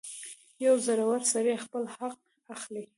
• یو زړور سړی خپل حق اخلي.